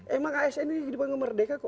emang asn ini kehidupan yang merdeka kok